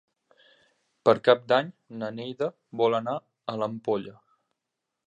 Per Cap d'Any na Neida vol anar a l'Ampolla.